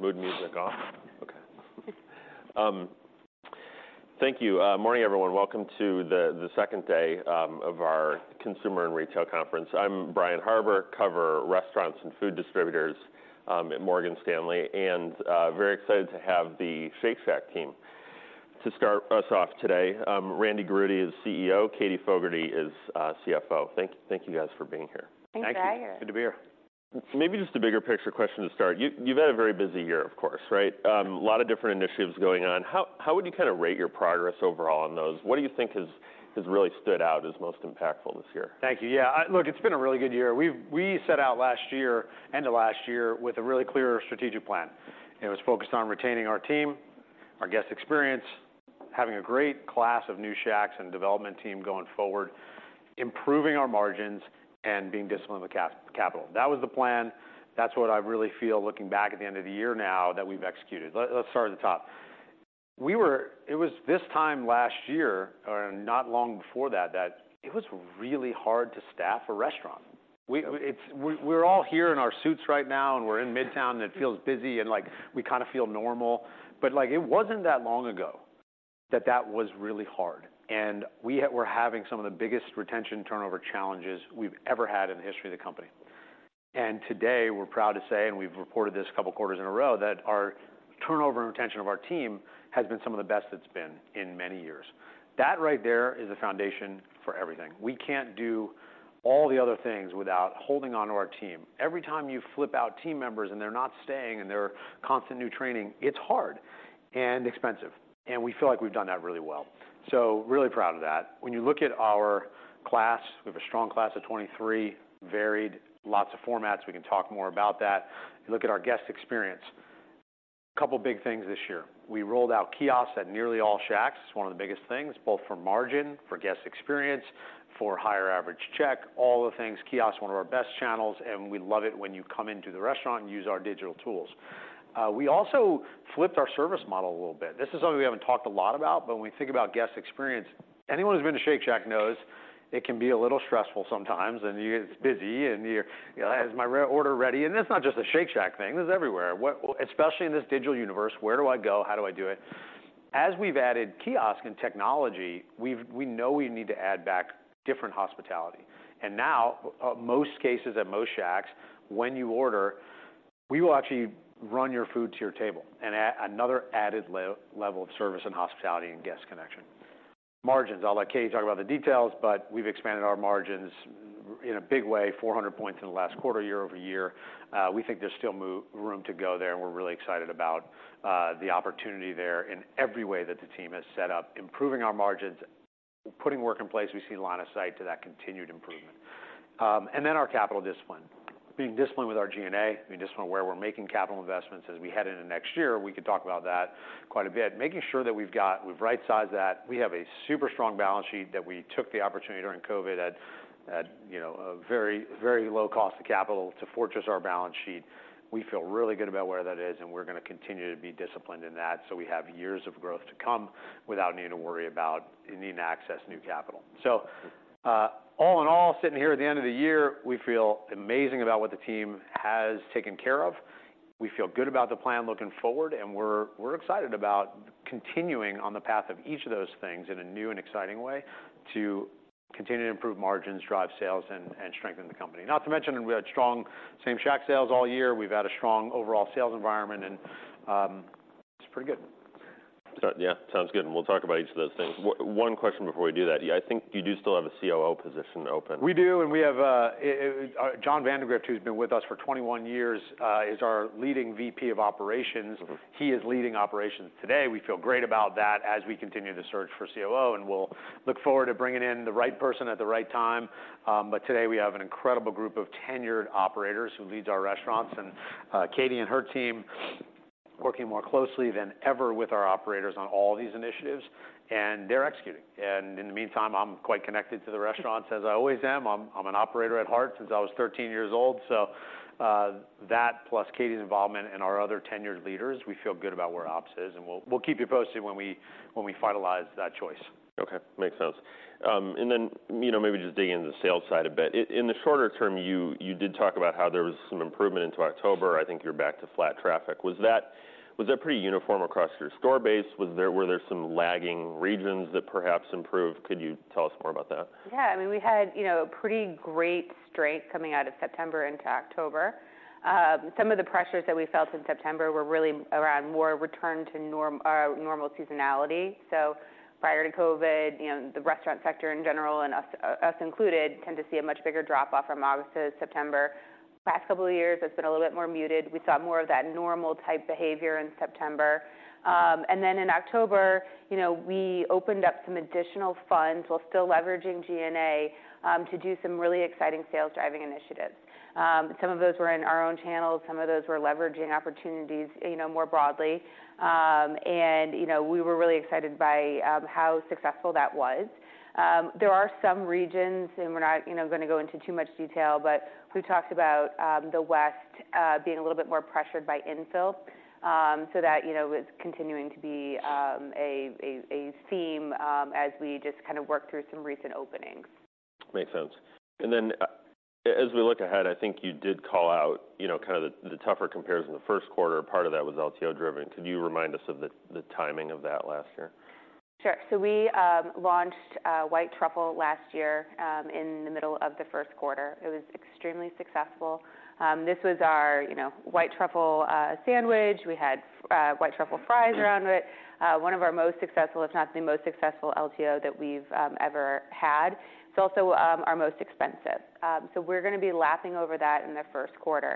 Music off? Okay. Thank you. Morning, everyone. Welcome to the 2nd day of our Consumer and Retail Conference. I'm Brian Harbour, cover restaurants and food distributors at Morgan Stanley, and very excited to have the Shake Shack team. To start us off today, Randy Garutti is CEO, Katie Fogertey is CFO. Thank you, guys, for being here. Thanks, Brian. Thank you. Good to be here. Maybe just a bigger picture question to start. You've had a very busy year, of course, right? A lot of different initiatives going on. How would you kind of rate your progress overall on those? What do you think has really stood out as most impactful this year? Thank you. Yeah, I look, it's been a really good year. We set out last year, end of last year, with a really clear strategic plan. It was focused on retaining our team, our guest experience, having a great class of new Shacks and development team going forward, improving our margins, and being disciplined with capital. That was the plan. That's what I really feel, looking back at the end of the year now, that we've executed. Let's start at the top. It was this time last year, or not long before that, that it was really hard to staff a restaurant. We're all here in our suits right now, and we're in Midtown, and it feels busy, and, like, we kind of feel normal. But, like, it wasn't that long ago that that was really hard, and we're having some of the biggest retention turnover challenges we've ever had in the history of the company. And today, we're proud to say, and we've reported this a couple quarters in a row, that our turnover and retention of our team has been some of the best it's been in many years. That right there is a foundation for everything. We can't do all the other things without holding on to our team. Every time you flip out team members, and they're not staying, and they're constant new training, it's hard and expensive, and we feel like we've done that really well. So really proud of that. When you look at our class, we have a strong class of 2023. Varied, lots of formats. We can talk more about that. You look at our guest experience, a couple big things this year. We rolled out kiosks at nearly all Shacks. It's one of the biggest things, both for margin, for guest experience, for higher average check, all the things. Kiosk, one of our best channels, and we love it when you come into the restaurant and use our digital tools. We also flipped our service model a little bit. This is something we haven't talked a lot about, but when we think about guest experience, anyone who's been to Shake Shack knows it can be a little stressful sometimes, and you get busy, and you're, "is my reorder ready?" And it's not just a Shake Shack thing, this is everywhere. Especially in this digital universe, where do I go? How do I do it? As we've added kiosk and technology, we know we need to add back different hospitality. And now, most cases at most Shacks, when you order, we will actually run your food to your table, and another added level of service and hospitality and guest connection. Margins, I'll let Katie talk about the details, but we've expanded our margins in a big way, 400 points in the last quarter, year-over-year. We think there's still room to go there, and we're really excited about the opportunity there in every way that the team has set up. Improving our margins, putting work in place, we see line of sight to that continued improvement. And then our capital discipline. Being disciplined with our G&A, being disciplined where we're making capital investments as we head into next year, we could talk about that quite a bit. Making sure that we've right-sized that. We have a super strong balance sheet that we took the opportunity during COVID at, you know, a very, very low cost of capital to fortress our balance sheet. We feel really good about where that is, and we're gonna continue to be disciplined in that. So we have years of growth to come without needing to worry about needing to access new capital. So, all in all, sitting here at the end of the year, we feel amazing about what the team has taken care of. We feel good about the plan looking forward, and we're excited about continuing on the path of each of those things in a new and exciting way to continue to improve margins, drive sales, and strengthen the company. Not to mention, we had strong Same Shack Sales all year. We've had a strong overall sales environment, and it's pretty good. Yeah, sounds good, and we'll talk about each of those things. 1 question before we do that. Yeah, I think you do still have a COO position open. We do, and we have, Jonathan Vandegrift, who's been with us for 21 years, is our leading VP of Operations. Mm-hmm. He is leading operations today. We feel great about that as we continue to search for COO, and we'll look forward to bringing in the right person at the right time. But today we have an incredible group of tenured operators who leads our restaurants, and Katie and her team, working more closely than ever with our operators on all these initiatives, and they're executing. And in the meantime, I'm quite connected to the restaurants, as I always am. I'm an operator at heart since I was 13 years old. So, that plus Katie's involvement and our other tenured leaders, we feel good about where ops is, and we'll keep you posted when we finalize that choice. Okay, makes sense. And then, you know, maybe just digging into the sales side a bit. In the shorter term, you did talk about how there was some improvement into October. I think you're back to flat traffic. Was that pretty uniform across your store base? Were there some lagging regions that perhaps improved? Could you tell us more about that? Yeah. I mean, we had, you know, pretty great strength coming out of September into October. Some of the pressures that we felt in September were really around more return to normal seasonality. So prior to COVID, you know, the restaurant sector in general, and us, us included, tend to see a much bigger drop off from August to September. Last couple of years, it's been a little bit more muted. We saw more of that normal type behavior in September. And then in October, you know, we opened up some additional funds while still leveraging G&A to do some really exciting sales-driving initiatives. Some of those were in our own channels, some of those were leveraging opportunities, you know, more broadly. And, you know, we were really excited by how successful that was. There are some regions, and we're not, you know, gonna go into too much detail, but we talked about the West being a little bit more pressured by infill. So that, you know, is continuing to be a theme as we just kind of work through some recent openings. Makes sense. And then, as we look ahead, I think you did call out, you know, kind of the tougher compares in the Q1. Part of that was LTO driven. Could you remind us of the timing of that last year? Sure. We launched White Truffle last year in the middle of the Q1. It was extremely successful. This was our, you know, White Truffle sandwich. We had White Truffle fries around it. One of our most successful, if not the most successful, LTO that we've ever had. It's also our most expensive. So we're going to be lapping over that in the Q1.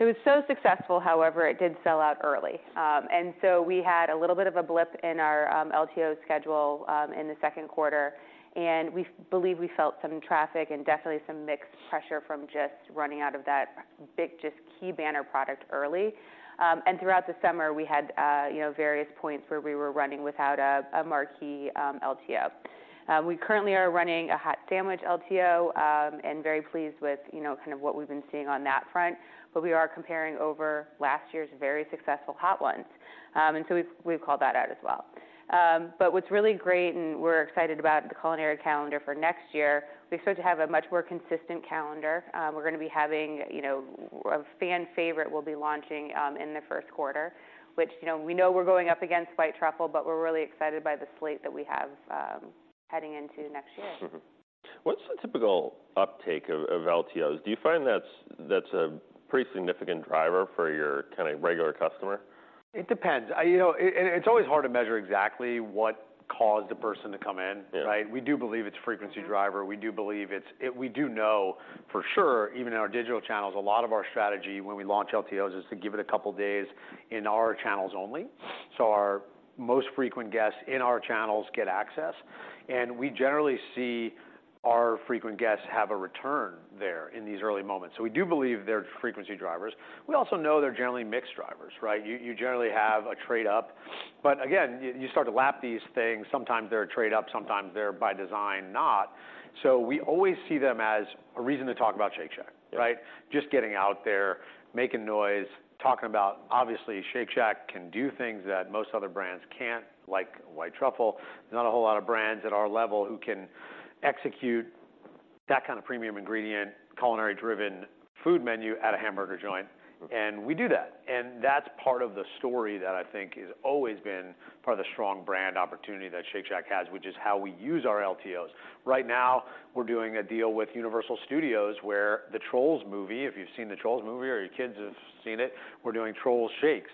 It was so successful, however, it did sell out early. And so we had a little bit of a blip in our LTO schedule in the Q2, and we believe we felt some traffic and definitely some mixed pressure from just running out of that big, just key banner product early. And throughout the summer, we had, you know, various points where we were running without a, a marquee, LTO. We currently are running a hot sandwich LTO, and very pleased with, you know, kind of what we've been seeing on that front. But we are comparing over last year's very successful Hot Ones. And so we've, we've called that out as well. But what's really great, and we're excited about the culinary calendar for next year, we expect to have a much more consistent calendar. We're going to be having, you know, a fan favorite will be launching, in the Q1, which, you know, we know we're going up against White Truffle, but we're really excited by the slate that we have, heading into next year. Mm-hmm. What's the typical uptake of, of LTOs? Do you find that's, that's a pretty significant driver for your kind of regular customer? It depends. You know, it's always hard to measure exactly what caused a person to come in, right? Yeah. We do believe it's a frequency driver. We do know for sure, even in our digital channels, a lot of our strategy when we launch LTOs, is to give it a couple days in our channels only. So our most frequent guests in our channels get access, and we generally see our frequent guests have a return there in these early moments. So we do believe they're frequency drivers. We also know they're generally mixed drivers, right? You generally have a trade-up, but again, you start to lap these things. Sometimes they're a trade-up, sometimes they're by design, not. So we always see them as a reason to talk about Shake Shack, right? Yeah. Just getting out there, making noise, talking about obviously, Shake Shack can do things that most other brands can't, like White Truffle. Not a whole lot of brands at our level who can execute that kind of premium ingredient, culinary-driven food menu at a hamburger joint. And we do that, and that's part of the story that I think has always been part of the strong brand opportunity that Shake Shack has, which is how we use our LTOs. Right now, we're doing a deal with Universal Studios, where the Trolls movie, if you've seen the Trolls movie, or your kids have seen it, we're doing Trolls Shakes,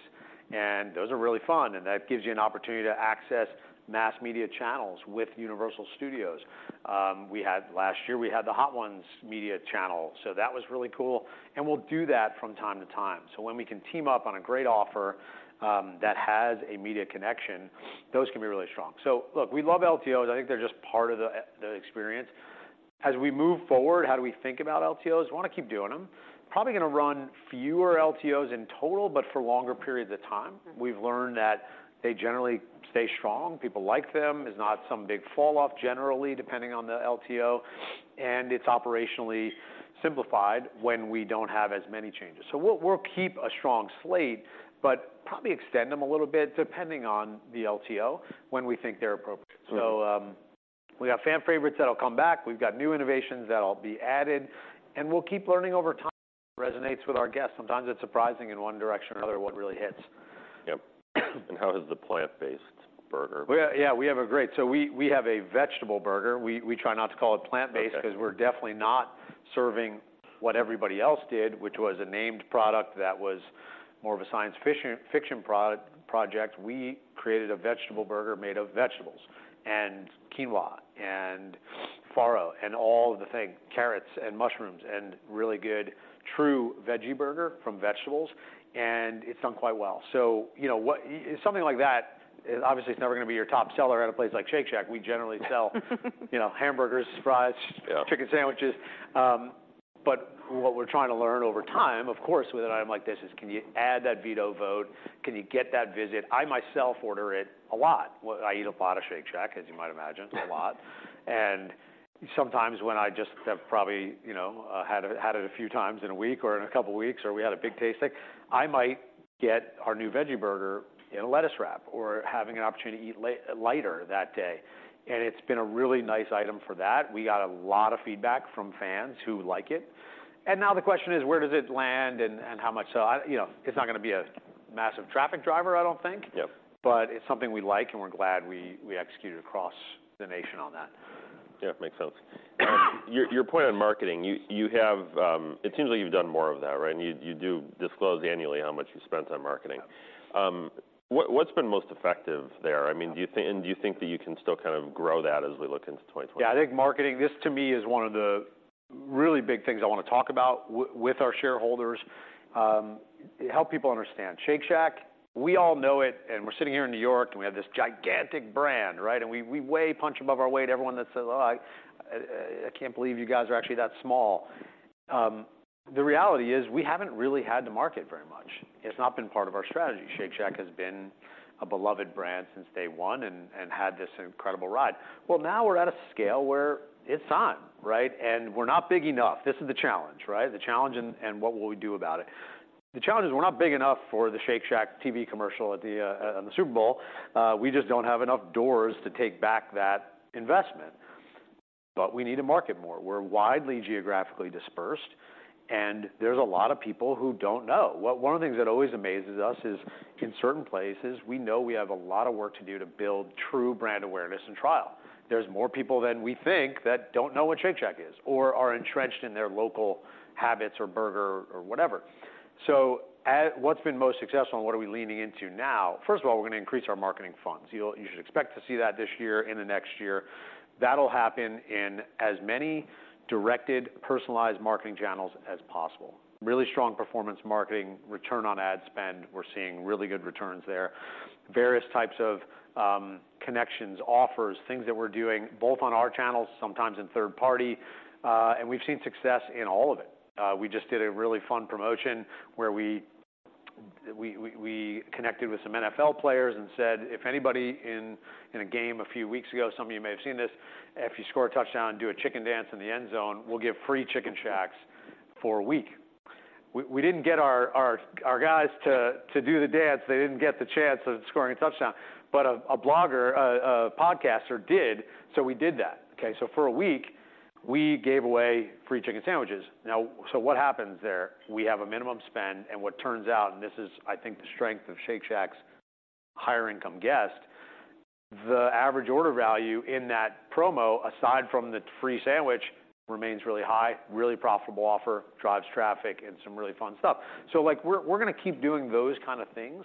and those are really fun. And that gives you an opportunity to access mass media channels with Universal Studios. Last year, we had the Hot Ones media channel, so that was really cool, and we'll do that from time to time. So when we can team up on a great offer, that has a media connection, those can be really strong. So look, we love LTOs. I think they're just part of the, the experience. As we move forward, how do we think about LTOs? We want to keep doing them. Probably going to run fewer LTOs in total, but for longer periods of time. Mm-hmm. We've learned that they generally stay strong. People like them. There's not some big falloff, generally, depending on the LTO, and it's operationally simplified when we don't have as many changes. So we'll, we'll keep a strong slate, but probably extend them a little bit, depending on the LTO, when we think they're appropriate. Mm-hmm. We've got fan favorites that'll come back. We've got new innovations that'll be added, and we'll keep learning over time, what resonates with our guests. Sometimes it's surprising in one direction or another, what really hits. Yep. How is the plant-based burger? Well, yeah, we have a great... So we have a vegetable burger. We try not to call it plant-based- Okay... because we're definitely not serving what everybody else did, which was a named product that was more of a science fiction project. We created a vegetable burger made of vegetables and quinoa and farro, and all of the things, carrots and mushrooms, and really good true veggie burger from vegetables, and it's done quite well. So you know what? Something like that is obviously it's never going to be your top seller. At a place like Shake Shack, we generally sell... you know, hamburgers, fries- Yeah... chicken sandwiches. But what we're trying to learn over time, of course, with an item like this, is can you add that Veto Vote? Can you get that visit? I myself order it a lot. Well, I eat a lot of Shake Shack, as you might imagine, a lot. And sometimes when I just have probably, you know, had it a few times in a week or in a couple of weeks, or we had a big tasting, I might get our new veggie burger in a lettuce wrap or having an opportunity to eat lighter that day. And it's been a really nice item for that. We got a lot of feedback from fans who like it, and now the question is: Where does it land, and how much so... You know, it's not going to be a massive traffic driver, I don't think. Yep. But it's something we like, and we're glad we executed across the nation on that. Yeah, makes sense. Your point on marketing, you have. It seems like you've done more of that, right? And you do disclose annually how much you spent on marketing. Yeah. What's been most effective there? I mean, do you think that you can still kind of grow that as we look into 2022? Yeah, I think marketing, this to me, is one of the really big things I want to talk about with our shareholders. Help people understand. Shake Shack, we all know it, and we're sitting here in New York, and we have this gigantic brand, right? And we way punch above our weight. Everyone that says, "Oh, I can't believe you guys are actually that small." The reality is, we haven't really had to market very much. It's not been part of our strategy. Shake Shack has been a beloved brand since day 1 and had this incredible ride. Well, now we're at a scale where it's on, right? And we're not big enough. This is the challenge, right? The challenge and what will we do about it?... The challenge is we're not big enough for the Shake Shack TV commercial at the Super Bowl. We just don't have enough doors to take back that investment, but we need to market more. We're widely geographically dispersed, and there's a lot of people who don't know. Well, one of the things that always amazes us is, in certain places, we know we have a lot of work to do to build true brand awareness and trial. There's more people than we think that don't know what Shake Shack is or are entrenched in their local habits or burger or whatever. So, what's been most successful, and what are we leaning into now? First of all, we're going to increase our marketing funds. You should expect to see that this year, in the next year. That'll happen in as many directed, personalized marketing channels as possible. Really strong performance marketing, return on ad spend, we're seeing really good returns there. Various types of connections, offers, things that we're doing, both on our channels, sometimes in third party, and we've seen success in all of it. We just did a really fun promotion where we connected with some NFL players and said, if anybody in a game a few weeks ago, some of you may have seen this, if you score a touchdown and do a chicken dance in the end zone, we'll give free Chicken Shacks for a week. We didn't get our guys to do the dance. They didn't get the chance of scoring a touchdown, but a blogger, a podcaster did, so we did that. Okay, so for a week, we gave away free chicken sandwiches. Now, so what happens there? We have a minimum spend, and what turns out, and this is, I think, the strength of Shake Shack's higher-income guest, the average order value in that promo, aside from the free sandwich, remains really high, really profitable offer, drives traffic, and some really fun stuff. So, like, we're, we're going to keep doing those kind of things,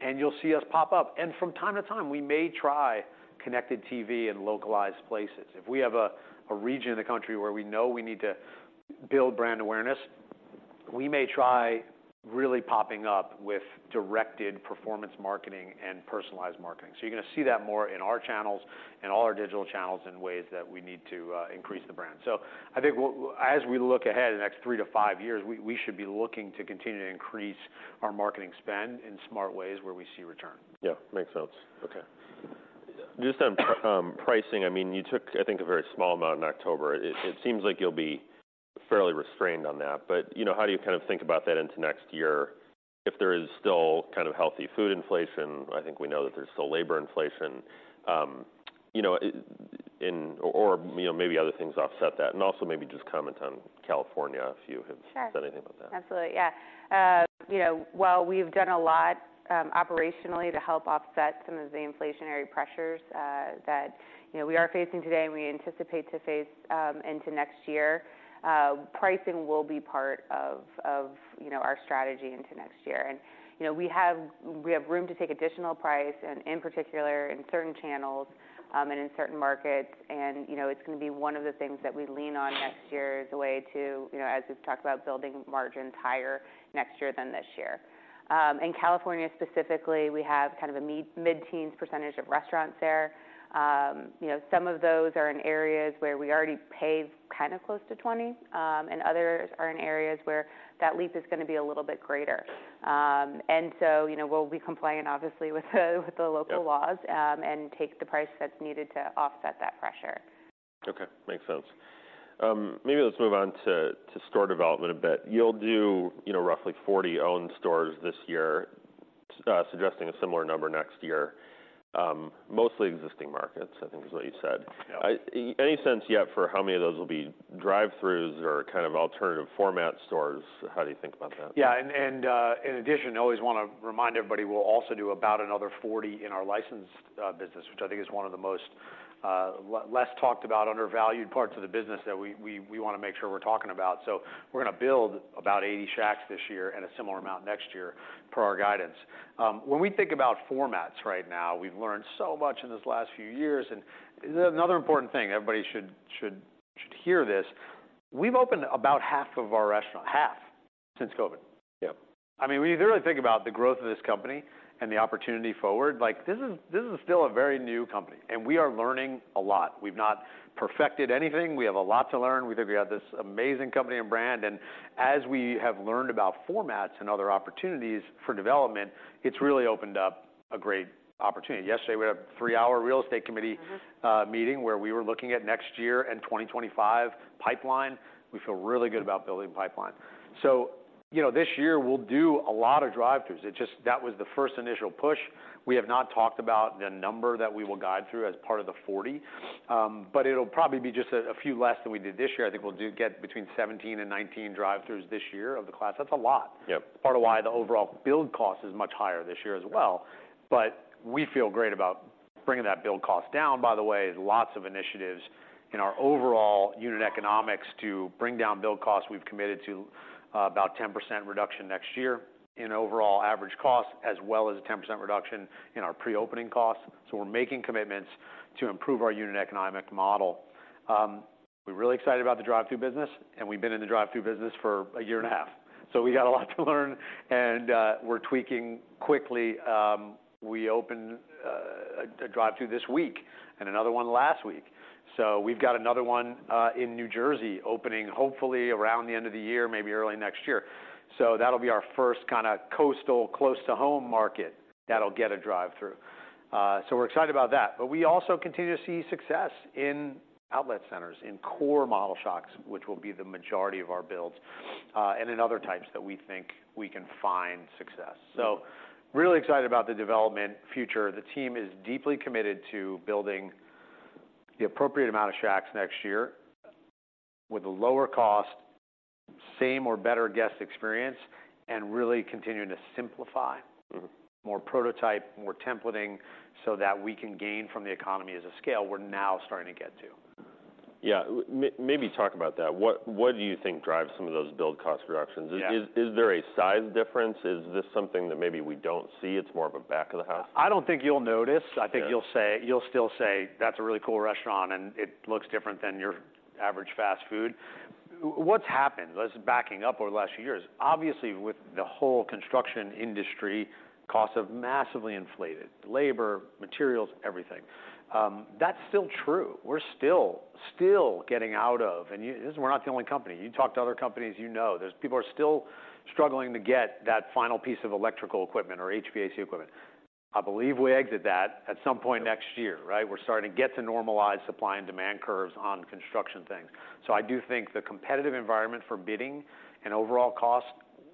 and you'll see us pop up. And from time to time, we may try Connected TV in localized places. If we have a region in the country where we know we need to build brand awareness, we may try really popping up with directed performance marketing and personalized marketing. So you're going to see that more in our channels and all our digital channels in ways that we need to increase the brand. I think we'll, as we look ahead the next 3-5 years, we should be looking to continue to increase our marketing spend in smart ways where we see return. Yeah, makes sense. Okay. Just on pricing, I mean, you took, I think, a very small amount in October. It, it seems like you'll be fairly restrained on that, but, you know, how do you kind of think about that into next year if there is still kind of healthy food inflation? I think we know that there's still labor inflation. You know, maybe other things offset that. And also maybe just comment on California, if you have- Sure. said anything about that. Absolutely, yeah. You know, while we've done a lot operationally to help offset some of the inflationary pressures that you know we are facing today and we anticipate to face into next year, pricing will be part of you know our strategy into next year. And you know we have room to take additional price, and in particular, in certain channels and in certain markets. And you know it's going to be one of the things that we lean on next year as a way to you know as we've talked about building margins higher next year than this year. In California, specifically, we have kind of a mid-teens percentage of restaurants there. You know, some of those are in areas where we already pay kind of close to $20, and others are in areas where that leap is going to be a little bit greater. And so, you know, we'll be compliant, obviously, with the local laws. Yep. and take the price that's needed to offset that pressure. Okay, makes sense. Maybe let's move on to store development a bit. You'll do, you know, roughly 40 owned stores this year, suggesting a similar number next year. Mostly existing markets, I think, is what you said. Yeah. Any sense yet for how many of those will be Drive-Thrus or kind of alternative format stores? How do you think about that? Yeah, and in addition, I always want to remind everybody, we'll also do about another 40 in our licensed business, which I think is one of the most least talked about, undervalued parts of the business that we want to make sure we're talking about. So we're going to build about 80 Shacks this year and a similar amount next year per our guidance. When we think about formats right now, we've learned so much in these last few years. Another important thing, everybody should hear this: We've opened about half of our restaurants, half, since COVID. Yep. I mean, when you really think about the growth of this company and the opportunity forward, like, this is, this is still a very new company, and we are learning a lot. We've not perfected anything. We have a lot to learn. We think we have this amazing company and brand, and as we have learned about formats and other opportunities for development, it's really opened up a great opportunity. Yesterday, we had a 3-hour real estate committee- Mm-hmm. Meeting where we were looking at next year and 2025 pipeline. We feel really good about building pipeline. So, you know, this year we'll do a lot of Drive-Thrus. It just. That was the first initial push. We have not talked about the number that we will guide through as part of the 40, but it'll probably be just a few less than we did this year. I think we'll get between 17 and 19 Drive-Thrus this year of the class. That's a lot. Yep. Part of why the overall build cost is much higher this year as well. But we feel great about bringing that build cost down. By the way, there's lots of initiatives in our overall unit economics to bring down build costs. We've committed to about 10% reduction next year in overall average costs, as well as a 10% reduction in our pre-opening costs. So we're making commitments to improve our unit economic model. We're really excited about the Drive-Thru business, and we've been in the Drive-Thru business for a year and a half. So we got a lot to learn, and we're tweaking quickly. We opened a Drive-Thru this week and another one last week. So we've got another one in New Jersey opening hopefully around the end of the year, maybe early next year. So that'll be our first kind of coastal, close-to-home market that'll get a Drive-Thru. So we're excited about that. But we also continue to see success in outlet centers, in core model Shacks, which will be the majority of our builds, and in other types that we think we can find success. So really excited about the development future. The team is deeply committed to building the appropriate amount of Shacks next year, with a lower cost, same or better guest experience, and really continuing to simplify- Mm-hmm. More prototype, more templating, so that we can gain from the economies of scale we're now starting to get to. Yeah. Maybe talk about that. What, what do you think drives some of those build cost reductions? Yeah. Is there a size difference? Is this something that maybe we don't see, it's more of a back of the house? I don't think you'll notice. Yeah. I think you'll still say, "That's a really cool restaurant, and it looks different than your average fast food." What's happened, let's backing up over the last few years, obviously, with the whole construction industry, costs have massively inflated: labor, materials, everything. That's still true. We're still getting out of... And we're not the only company. You talk to other companies, you know, there's people are still struggling to get that final piece of electrical equipment or HVAC equipment. I believe we exit that at some point next year, right? Yeah. We're starting to get to normalized supply and demand curves on construction things. So I do think the competitive environment for bidding and overall cost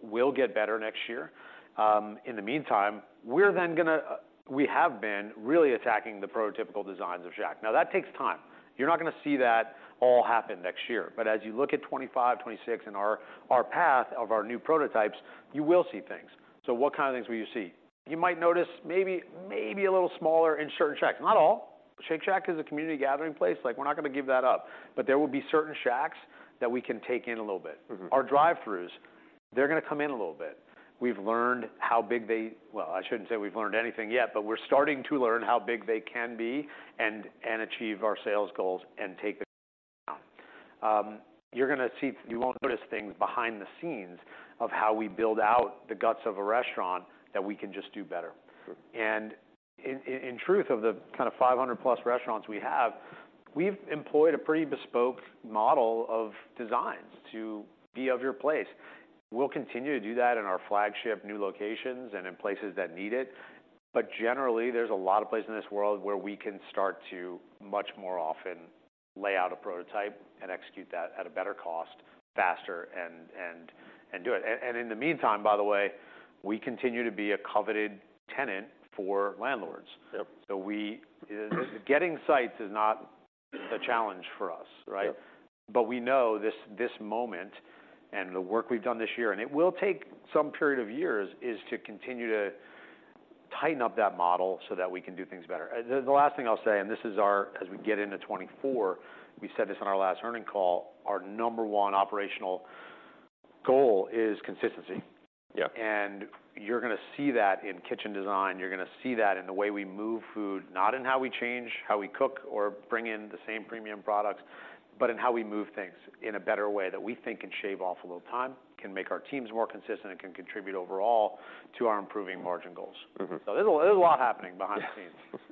will get better next year. In the meantime, we're then gonna we have been really attacking the prototypical designs of Shack. Now, that takes time. You're not gonna see that all happen next year. But as you look at 2025, 2026, and our, our path of our new prototypes, you will see things. So what kind of things will you see? You might notice maybe, maybe a little smaller in certain Shacks. Not all. Shake Shack is a community gathering place, like, we're not gonna give that up, but there will be certain Shacks that we can take in a little bit. Mm-hmm. Our Drive-Thrus, they're gonna come in a little bit. We've learned how big they... Well, I shouldn't say we've learned anything yet, but we're starting to learn how big they can be, and, and achieve our sales goals and take the... You're gonna see - you won't notice things behind the scenes, of how we build out the guts of a restaurant that we can just do better. Sure. In truth, of the kind of 500+ restaurants we have, we've employed a pretty bespoke model of designs to be of your place. We'll continue to do that in our flagship new locations and in places that need it. But generally, there's a lot of places in this world where we can start to much more often lay out a prototype and execute that at a better cost, faster, and do it. In the meantime, by the way, we continue to be a coveted tenant for landlords. Yep. So, getting sites is not the challenge for us, right? Yep. But we know this, this moment and the work we've done this year, and it will take some period of years, is to continue to tighten up that model so that we can do things better. And the last thing I'll say, and this is our, as we get into 2024, we said this on our last earnings call, our number 1 operational goal is consistency. Yep. You're gonna see that in kitchen design. You're gonna see that in the way we move food, not in how we change, how we cook, or bring in the same premium products, but in how we move things in a better way that we think can shave off a little time, can make our teams more consistent, and can contribute overall to our improving margin goals. Mm-hmm. So there's a lot happening behind the scenes.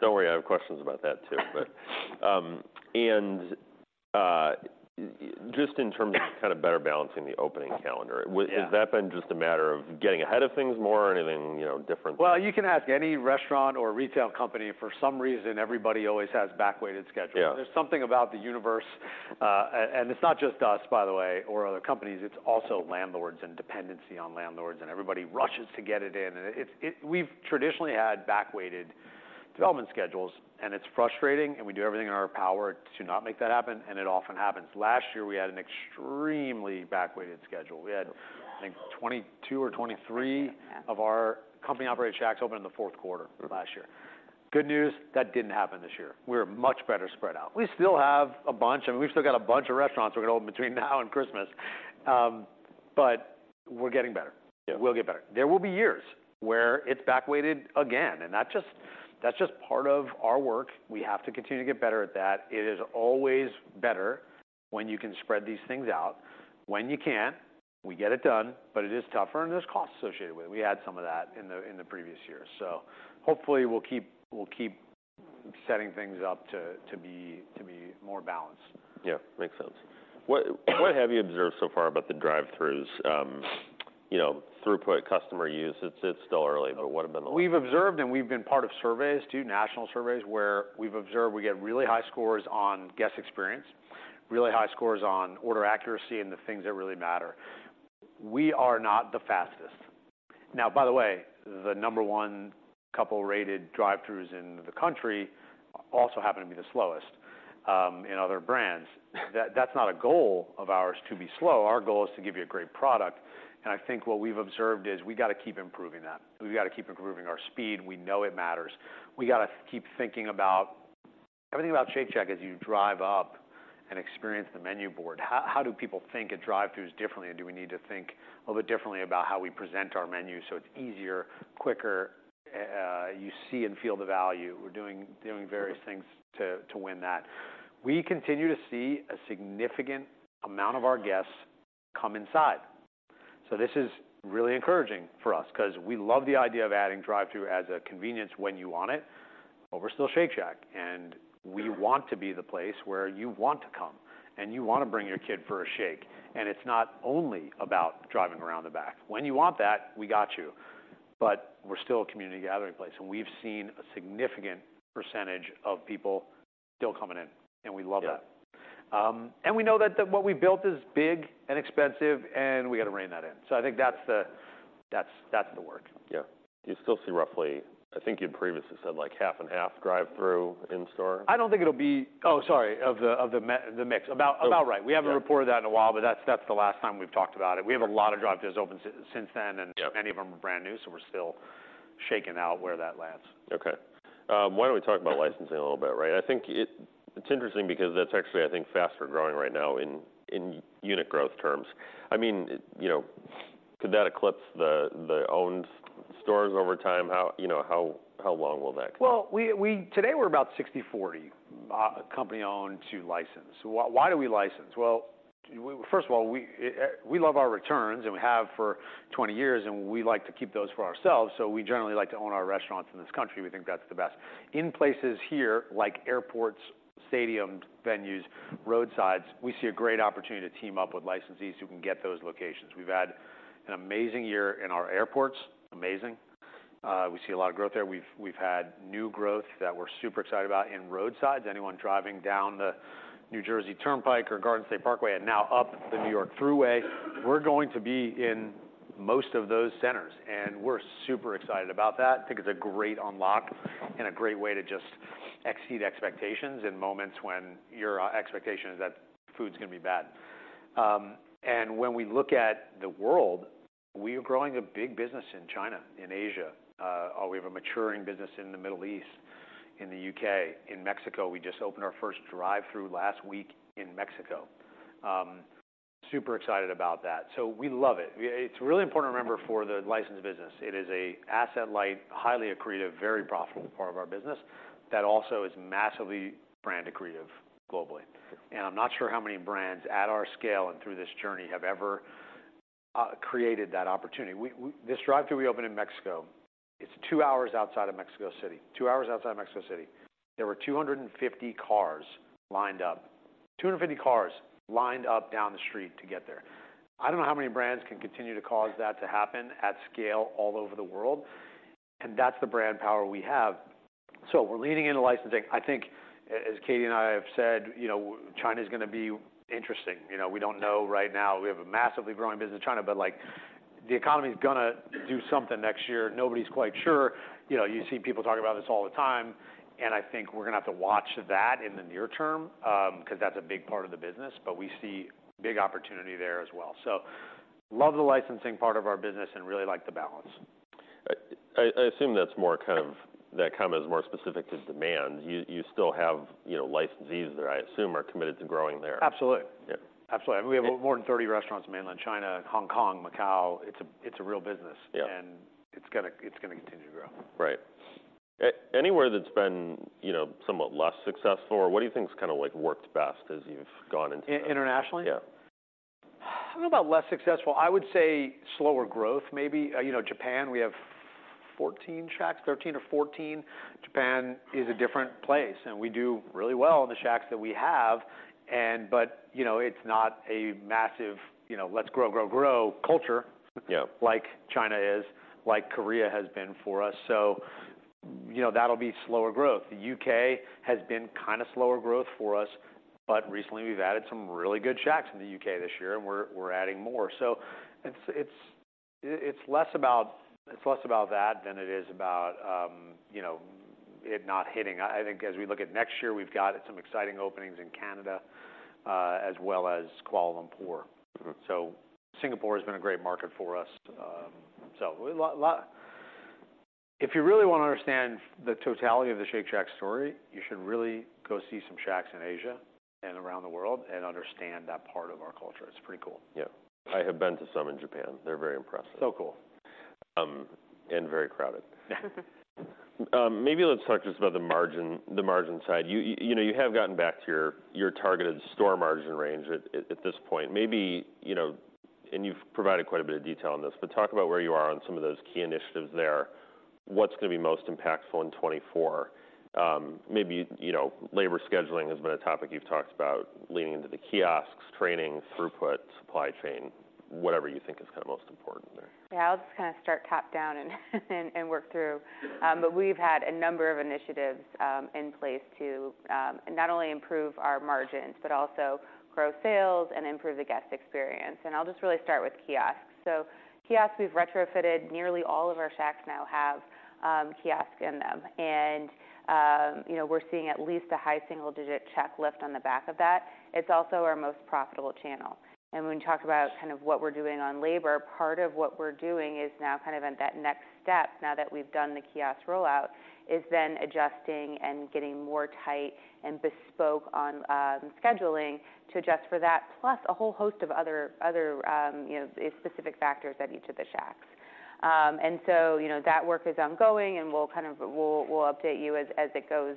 Don't worry, I have questions about that, too. But just in terms of kind of better balancing the opening calendar- Yeah... has that been just a matter of getting ahead of things more or anything, you know, differently? Well, you can ask any restaurant or retail company. For some reason, everybody always has back-weighted schedules. Yeah. There's something about the universe, and it's not just us, by the way, or other companies, it's also landlords and dependency on landlords, and everybody rushes to get it in. And we've traditionally had back-weighted development schedules, and it's frustrating, and we do everything in our power to not make that happen, and it often happens. Last year, we had an extremely back-weighted schedule. We had, I think, 22 or 23- Yeah... of our company-operated Shacks open in the Q4- Mm Last year. Good news: that didn't happen this year. We're much better spread out. We still have a bunch, and we've still got a bunch of restaurants we're gonna open between now and Christmas, but we're getting better. Yeah. We'll get better. There will be years where it's back-weighted again, and that's just, that's just part of our work. We have to continue to get better at that. It is always better when you can spread these things out. When you can't, we get it done, but it is tougher, and there's costs associated with it. We had some of that in the, in the previous years. So hopefully, we'll keep, we'll keep setting things up to, to be, to be more balanced. Yeah, makes sense. What have you observed so far about the Drive-Thrus? You know, throughput, customer use, it's still early, but what have been the- We've observed, and we've been part of surveys, too, national surveys, where we've observed we get really high scores on guest experience, really high scores on order accuracy, and the things that really matter. We are not the fastest. Now, by the way, the number 1 couple rated Drive-Thrus in the country also happen to be the slowest, in other brands. That's not a goal of ours, to be slow. Our goal is to give you a great product, and I think what we've observed is, we gotta keep improving that. We've gotta keep improving our speed. We know it matters. We gotta keep thinking about everything about Shake Shack, as you drive up and experience the menu board, how do people think of Drive-Thru's differently? Do we need to think a little bit differently about how we present our menu so it's easier, quicker, you see and feel the value? We're doing various things to win that. We continue to see a significant amount of our guests come inside. So this is really encouraging for us 'cause we love the idea of adding Drive-Thru as a convenience when you want it. But we're still Shake Shack, and we want to be the place where you want to come, and you want to bring your kid for a shake. It's not only about driving around the back. When you want that, we got you. But we're still a community gathering place, and we've seen a significant percentage of people still coming in, and we love that. Yeah. We know that what we built is big and expensive, and we got to rein that in. So I think that's the work. Yeah. You still see roughly... I think you previously said, like, 50/50 drive-thru in-store? I don't think it'll be. Oh, sorry, of the mix. About right. Yeah. We haven't reported that in a while, but that's, that's the last time we've talked about it. Yeah. We have a lot of Drive-Thru open since then, and- Yeah... many of them are brand new, so we're still shaking out where that lands. Okay. Why don't we talk about licensing a little bit, right? I think it's interesting because that's actually, I think, faster growing right now in unit growth terms. I mean, you know, could that eclipse the owned stores over time? How, you know, how long will that take? Well, today we're about 60/40 company-owned to licensed. Why do we license? Well, first of all, we love our returns, and we have for 20 years, and we like to keep those for ourselves, so we generally like to own our restaurants in this country. We think that's the best. In places here, like airports, stadium venues, roadsides, we see a great opportunity to team up with licensees who can get those locations. We've had an amazing year in our airports, amazing. We see a lot of growth there. We've had new growth that we're super excited about in roadsides. Anyone driving down the New Jersey Turnpike or Garden State Parkway, and now up the New York Thruway, we're going to be in most of those centers, and we're super excited about that. Think it's a great unlock and a great way to just exceed expectations in moments when your expectation is that food's gonna be bad. And when we look at the world, we are growing a big business in China, in Asia. We have a maturing business in the Middle East, in the UK, in Mexico. We just opened our first drive-thru last week in Mexico. Super excited about that. So we love it. It's really important to remember for the licensed business, it is a asset light, highly accretive, very profitable part of our business that also is massively brand accretive globally. And I'm not sure how many brands at our scale and through this journey have ever created that opportunity. This drive-thru we opened in Mexico, it's 2 hours outside of Mexico City. 2 hours outside of Mexico City, there were 250 cars lined up. 250 cars lined up down the street to get there. I don't know how many brands can continue to cause that to happen at scale all over the world, and that's the brand power we have. So we're leaning into licensing. I think, as Katie and I have said, you know, China's gonna be interesting. You know, we don't know right now. We have a massively growing business in China, but, like, the economy's gonna do something next year. Nobody's quite sure. You know, you see people talking about this all the time, and I think we're gonna have to watch that in the near term, because that's a big part of the business, but we see big opportunity there as well. Love the licensing part of our business and really like the balance. I assume that's more kind of that comment is more specific to demand. You still have, you know, licensees that I assume are committed to growing there. Absolutely. Yeah. Absolutely. Yeah. We have more than 30 restaurants in mainland China, Hong Kong, Macau. It's a real business- Yeah... and it's gonna, it's gonna continue to grow. Right. Anywhere that's been, you know, somewhat less successful, or what do you think has kinda, like, worked best as you've gone into- Internationally? Yeah. I don't know about less successful. I would say slower growth, maybe. You know, Japan, we have 14 Shacks, 13 or 14. Japan is a different place, and we do really well in the Shacks that we have, and but, you know, it's not a massive, you know, let's grow, grow, grow culture- Yeah... like China is, like Korea has been for us. So, you know, that'll be slower growth. The U.K. has been kinda slower growth for us, but recently we've added some really good Shacks in the U.K. this year, and we're, we're adding more. So it's, it's, it's less about, it's less about that than it is about, you know, it not hitting. I, I think as we look at next year, we've got some exciting openings in Canada, as well as Kuala Lumpur. Mm-hmm. So Singapore has been a great market for us. So a lot if you really want to understand the totality of the Shake Shack story, you should really go see some Shacks in Asia and around the world and understand that part of our culture. It's pretty cool. Yeah. I have been to some in Japan. They're very impressive. So cool. Very crowded. Maybe let's talk just about the margin, the margin side. You know, you have gotten back to your targeted store margin range at this point. Maybe, you know... and you've provided quite a bit of detail on this, but talk about where you are on some of those key initiatives there. What's gonna be most impactful in 2024? Maybe, you know, labor scheduling has been a topic you've talked about, leaning into the kiosks, training, throughput, supply chain, whatever you think is kind of most important there. Yeah, I'll just kinda start top down and work through. But we've had a number of initiatives in place to not only improve our margins, but also grow sales and improve the guest experience, and I'll just really start with kiosks. So kiosks, we've retrofitted nearly all of our Shacks now have kiosk in them, and you know, we're seeing at least a high single-digit check lift on the back of that. It's also our most profitable channel. And when you talk about kind of what we're doing on labor, part of what we're doing is now kind of at that next step, now that we've done the kiosk rollout, is then adjusting and getting more tight and bespoke on scheduling to adjust for that, plus a whole host of other you know, specific factors at each of the Shacks. And so, you know, that work is ongoing, and we'll kind of update you as it goes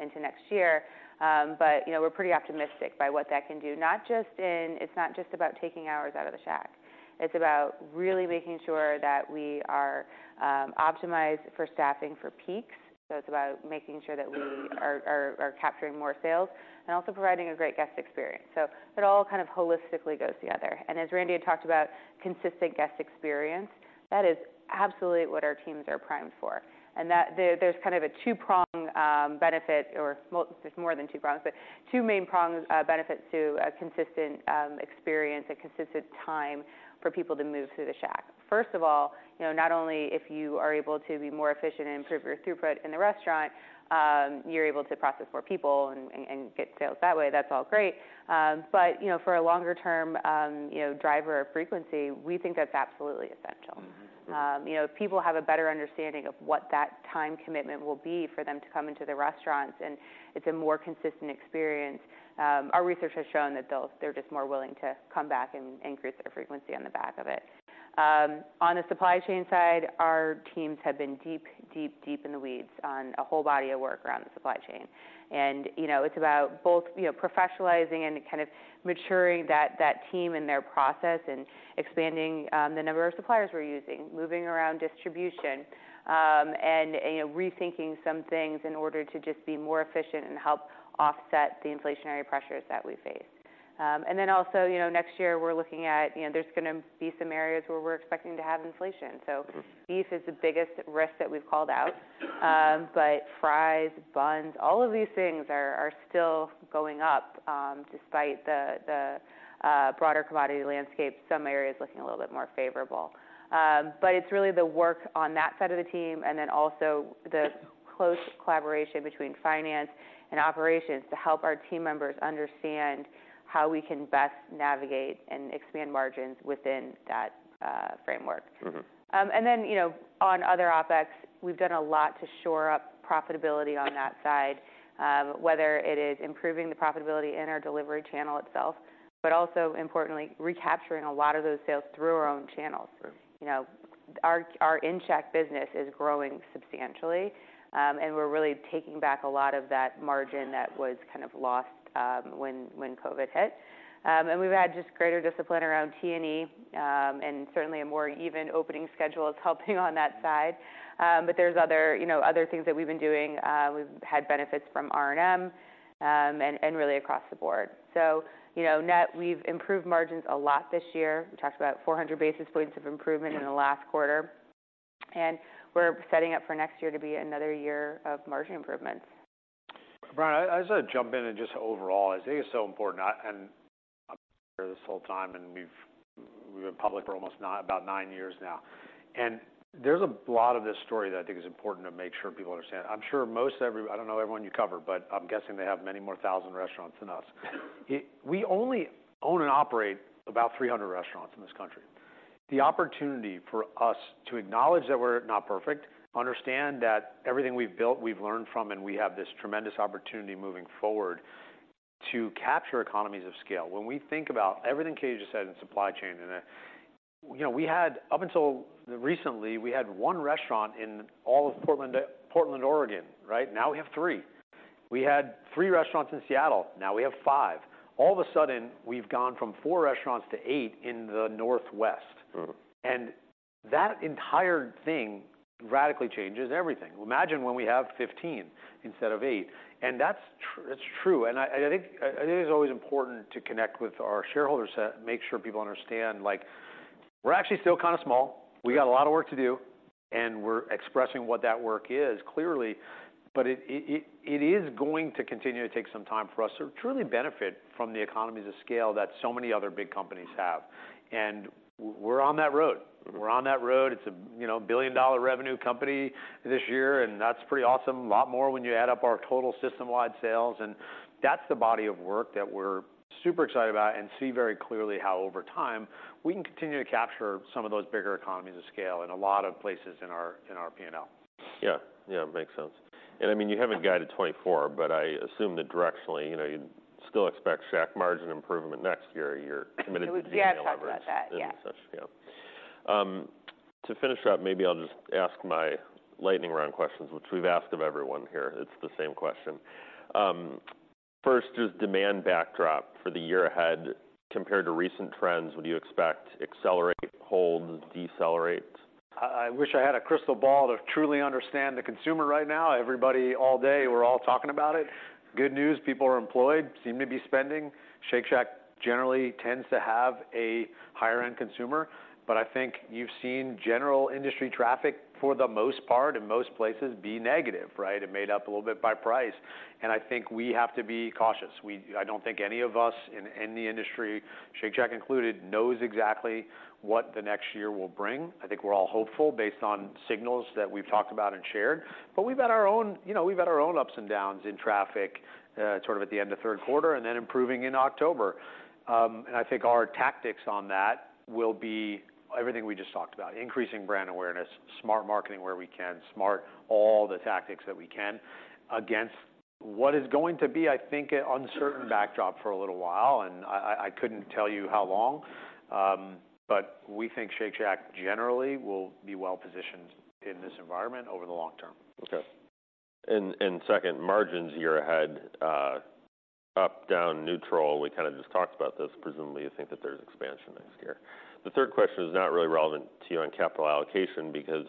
into next year. But, you know, we're pretty optimistic by what that can do, not just in. It's not just about taking hours out of the Shack. It's about really making sure that we are optimized for staffing for peaks. So it's about making sure that we are capturing more sales and also providing a great guest experience. So it all kind of holistically goes together. And as Randy had talked about, consistent guest experience, that is absolutely what our teams are primed for, and that there, there's kind of a 2-prong benefit. There's more than 2 prongs, but 2 main prongs, benefits to a consistent experience, a consistent time for people to move through the Shack. First of all, you know, not only if you are able to be more efficient and improve your throughput in the restaurant, you're able to process more people and get sales that way. That's all great. But, you know, for a longer term, you know, driver frequency, we think that's absolutely essential. Mm-hmm. You know, if people have a better understanding of what that time commitment will be for them to come into the restaurants, and it's a more consistent experience, our research has shown that they'll—they're just more willing to come back and increase their frequency on the back of it. On the supply chain side, our teams have been deep, deep, deep in the weeds on a whole body of work around the supply chain. You know, it's about both, you know, professionalizing and kind of maturing that team and their process and expanding the number of suppliers we're using, moving around distribution, and, you know, rethinking some things in order to just be more efficient and help offset the inflationary pressures that we face. And then also, you know, next year we're looking at, you know, there's gonna be some areas where we're expecting to have inflation. So beef is the biggest risk that we've called out. But fries, buns, all of these things are still going up, despite the broader commodity landscape, some areas looking a little bit more favorable. But it's really the work on that side of the team and then also the close collaboration between finance and operations to help our team members understand how we can best navigate and expand margins within that framework. Mm-hmm. And then, you know, on other OpEx, we've done a lot to shore up profitability on that side, whether it is improving the profitability in our delivery channel itself, but also importantly, recapturing a lot of those sales through our own channels. Sure. You know, our in-Shack business is growing substantially. We're really taking back a lot of that margin that was kind of lost when COVID hit. We've had just greater discipline around T&E, and certainly a more even opening schedule is helping on that side. But there's other, you know, other things that we've been doing. We've had benefits from R&M, and really across the board. So, you know, net, we've improved margins a lot this year. We talked about 400 basis points of improvement in the last quarter, and we're setting up for next year to be another year of margin improvements. Brian, I, I just wanna jump in and just overall, I think it's so important. I... and I'm here this whole time, and we've, we've been public for almost 9, about 9 years now, and there's a lot of this story that I think is important to make sure people understand. I'm sure most every-- I don't know everyone you cover, but I'm guessing they have many more thousand restaurants than us. We only own and operate about 300 restaurants in this country. The opportunity for us to acknowledge that we're not perfect, understand that everything we've built, we've learned from, and we have this tremendous opportunity moving forward to capture economies of scale. When we think about everything Katie just said in supply chain, and, you know, we had up until recently, we had 1 restaurant in all of Portland, Portland, Oregon, right? Now, we have 3. We had 3 restaurants in Seattle. Now we have 5. All of a sudden, we've gone from 4 restaurants to 8 in the Northwest. Mm-hmm. And that entire thing radically changes everything. Imagine when we have 15 instead of 8, and that's true, it's true. And I think it's always important to connect with our shareholders to make sure people understand, like, we're actually still kind of small. Yeah. We got a lot of work to do, and we're expressing what that work is, clearly, but it is going to continue to take some time for us to truly benefit from the economies of scale that so many other big companies have. We're on that road. Mm-hmm. We're on that road. It's a, you know, billion-dollar revenue company this year, and that's pretty awesome. A lot more when you add up our total system-wide sales, and that's the body of work that we're super excited about and see very clearly how over time, we can continue to capture some of those bigger economies of scale in a lot of places in our, in our P&L. Yeah. Yeah, makes sense. And I mean, you haven't guided 2024, but I assume that directionally, you know, you'd still expect Shack margin improvement next year. You're committed to G&A leverage- We have talked about that, yeah. Yeah. To finish up, maybe I'll just ask my lightning round questions, which we've asked of everyone here. It's the same question. First, is demand backdrop for the year ahead compared to recent trends, would you expect accelerate, hold, decelerate? I wish I had a crystal ball to truly understand the consumer right now. Everybody, all day, we're all talking about it. Good news, people are employed, seem to be spending. Shake Shack generally tends to have a higher-end consumer, but I think you've seen general industry traffic, for the most part, in most places, be negative, right? It made up a little bit by price, and I think we have to be cautious. We—I don't think any of us in the industry, Shake Shack included, knows exactly what the next year will bring. I think we're all hopeful based on signals that we've talked about and shared, but we've had our own, you know, we've had our own ups and downs in traffic, sort of at the end of Q3, and then improving in October. And I think our tactics on that will be everything we just talked about: increasing brand awareness, smart marketing where we can, smart all the tactics that we can against what is going to be, I think, an uncertain backdrop for a little while, and I couldn't tell you how long. But we think Shake Shack generally will be well positioned in this environment over the long term. Okay. And 2nd, margins year ahead, up, down, neutral? We kind of just talked about this. Presumably, you think that there's expansion next year. The third question is not really relevant to you on capital allocation because,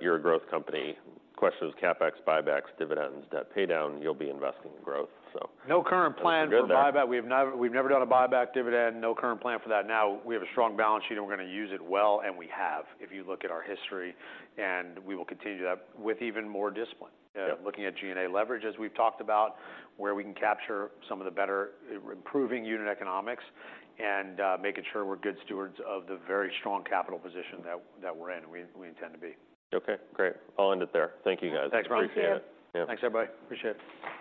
you're a growth company. The question is CapEx, buybacks, dividends, debt paydown, you'll be investing in growth, so- No current plan for buyback. Good then. We've never done a buyback dividend. No current plan for that. Now, we have a strong balance sheet, and we're gonna use it well, and we have, if you look at our history, and we will continue that with even more discipline. Yeah. Looking at G&A leverage, as we've talked about, where we can capture some of the better improving unit economics and, making sure we're good stewards of the very strong capital position that we're in, and we intend to be. Okay, great. I'll end it there. Thank you, guys. Thanks, Brian. Appreciate it. Yeah. Thanks, everybody. Appreciate it.